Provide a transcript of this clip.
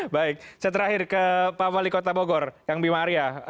baik saya terakhir ke pak wali kota bogor kang bima arya